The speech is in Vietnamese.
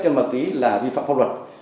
chất ma túy là vi phạm pháp luật